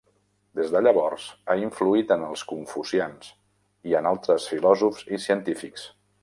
Des de llavors, ha influït en els confucians i en altres filòsofs i científics.